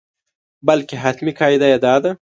بلکې حتمي قاعده یې دا ده.